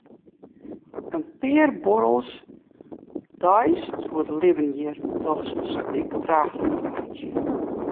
In pear buorrels deis soe it libben hjir dochs in stik draachliker meitsje.